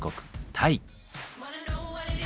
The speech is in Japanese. タイ。